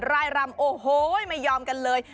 รายรำโอ้โหไม่ยอมกันเลย